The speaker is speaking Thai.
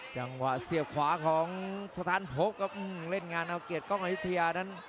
จังหวะเสียบขวาของสถานพกครับเล่นงานเอาเกียรติกล้องอายุทยานั้น